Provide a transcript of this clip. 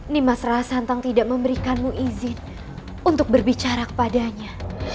nimas rasantang tidak memberikanmu izin untuk berbicara kepadanya